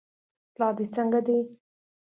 پلار دې څنګه دی.